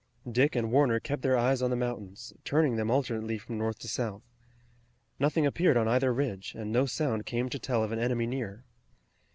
Dick and Warner kept their eyes on the mountains, turning them alternately from north to south. Nothing appeared on either ridge, and no sound came to tell of an enemy near.